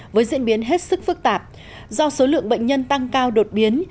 với diễn biến hết sức phức tạp do số lượng bệnh nhân tăng cao đột biến